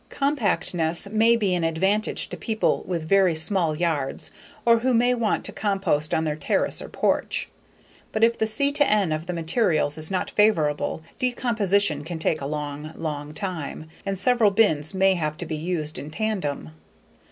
Compactness may be an advantage to people with very small yards or who may want to compost on their terrace or porch. But if the C/N of the materials is not favorable, decomposition can take a long, long time and several bins may have to be used in tandem.